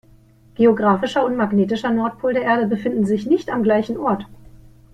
Geographischer und magnetischer Nordpol der Erde befinden sich nicht am gleichen Ort.